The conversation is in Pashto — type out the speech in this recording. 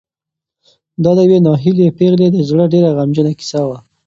دا د یوې ناهیلې پېغلې د زړه ډېره غمجنه کیسه وه.